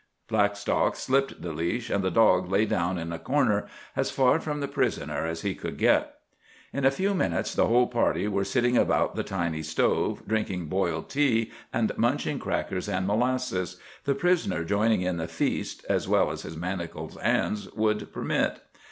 Blackstock slipped the leash, and the dog lay down in a corner, as far from the prisoner as he could get. In a few minutes the whole party were sitting about the tiny stove, drinking boiled tea and munching crackers and molasses—the prisoner joining in the feast as well as his manacled hands would permit.